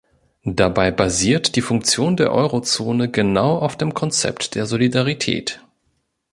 Dabei basiert die Funktion der Eurozone genau auf dem Konzept der Solidarität.